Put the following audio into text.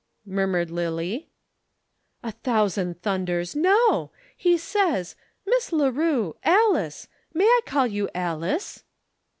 murmured Lillie. "A thousand thunders! No! He says: 'Miss Leroux Alice; may I call you Alice?'"